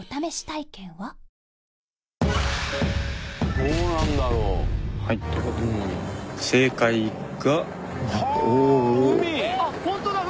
どうなんだろう？はあ海！